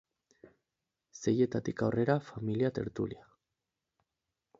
Seietatik aurrera, familia tertulia.